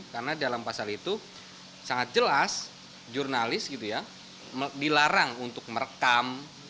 karena dalam pasal itu sangat jelas jurnalis dilarang untuk merekam